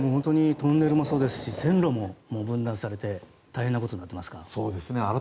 トンネルもそうですし線路も分断されて大変なことになっていますから。